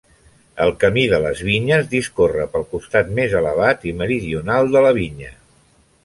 El Camí de les Vinyes discorre pel costat més elevat i meridional de la vinya.